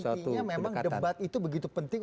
jadi intinya memang debat itu begitu penting